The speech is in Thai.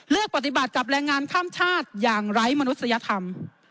เลือกปฏิบัติกับแรงงานข้ามชาติอย่างไร้มนุษยธรรม